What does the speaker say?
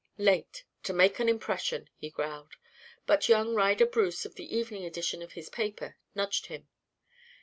"Late to make an impression!" he growled, but young Ryder Bruce of the evening edition of his paper nudged him.